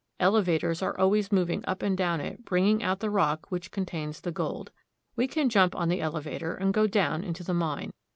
Elevators are al ways moving up and down it, bringing out the rock which contains the gold. We can jump on the elevator and go down into the mine.